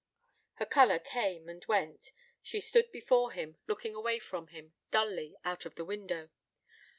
Her colour came and went: she stood before him, looking away from him, dully, out of the window.